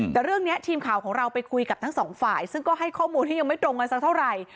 แต่เรื่องนี้ทีมข่าวของเราไปคุยกับทั้งสองฝ่ายซึ่งก็ให้ข้อมูลที่ยังไม่ตรงกันสักเท่าไหร่